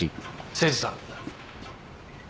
誠司さん。